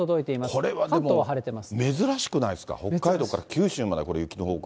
これは珍しくないですか、北海道から九州までこれ、雪の報告